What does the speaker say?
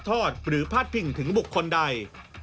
ทอดหรือพาดพิงถึงบุคคลใด